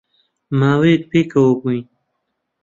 ماوەیەک پێکەوە بووین